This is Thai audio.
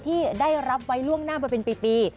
ที่ได้รับไว้ล่วงหน้ามาเป็นปี